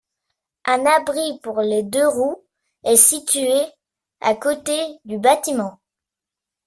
Un abri pour les deux-roues est situé à côté du bâtiment.